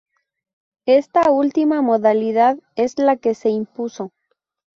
Esta última modalidad es la que se impuso.